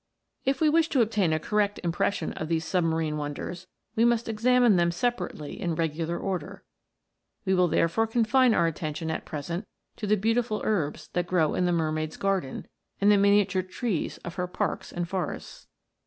If we wish to obtain a correct impression of these submarine wonders, we must examine them sepa rately in regular order. We will therefore confine our attention at present to the beautiful herbs that grow in the mermaid's garden, and the minia ture trees of her parks and forests.